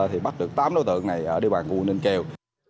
thì bắt được tám đối tượng này ở địa bàn quận ninh kiều